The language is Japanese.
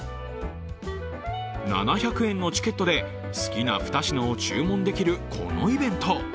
７００円のチケットで好きな２品を注文できる、このイベント。